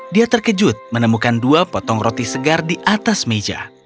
dia terkejut menemukan dua potong roti segar di atas meja